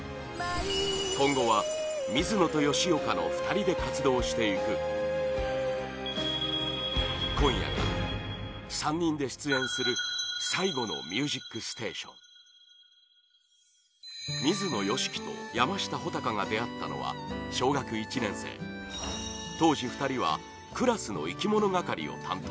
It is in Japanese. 今後は、水野と吉岡の２人で活動していく今夜が３人で出演する、最後の「ミュージックステーション」水野良樹と山下穂尊が出会ったのは、小学１年生当時、２人はクラスの生き物係を担当